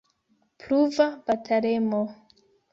Pruva batalemo.